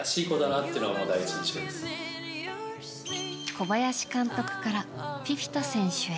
小林監督からフィフィタ選手へ。